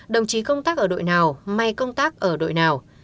đồng chí công tác ở đội nào may công tác ở đội nào